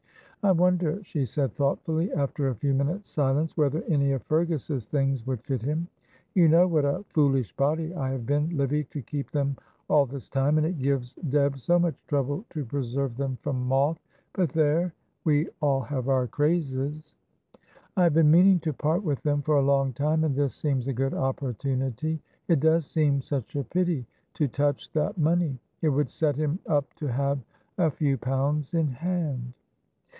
"I wonder," she said, thoughtfully, after a few minutes' silence, "whether any of Fergus's things would fit him; you know what a foolish body I have been, Livy, to keep them all this time, and it gives Deb so much trouble to preserve them from moth; but there, we all have our crazes. "I have been meaning to part with them for a long time, and this seems a good opportunity; it does seem such a pity to touch that money; it would set him up to have a few pounds in hand."